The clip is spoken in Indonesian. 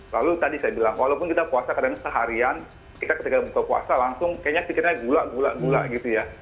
lalu tadi saya bilang walaupun kita puasa kadang seharian kita ketika buka puasa langsung kayaknya pikirnya gula gula gula gitu ya